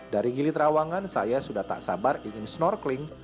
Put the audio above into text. dari gili trawangan saya sudah tak sabar ingin snorkeling